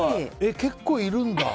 結構いるんだ。